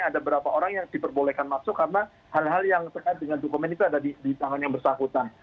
ada berapa orang yang diperbolehkan masuk karena hal hal yang terkait dengan dokumen itu ada di tangan yang bersangkutan